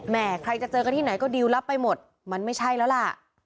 ใครจะเจอกันที่ไหนก็ดิวรับไปหมดมันไม่ใช่แล้วล่ะ